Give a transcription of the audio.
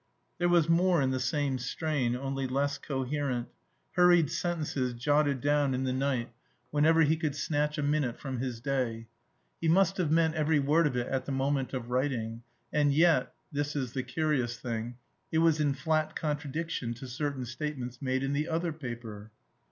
There was more in the same strain, only less coherent; hurried sentences jotted down in the night, whenever he could snatch a minute from his duty. He must have meant every word of it at the moment of writing; and yet this is the curious thing it was in flat contradiction to certain statements made in the other paper.